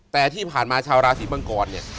แต่ที่ผ่านมาชาวราศีมังกรเนี่ย